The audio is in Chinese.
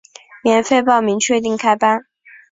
免费报名，确定开班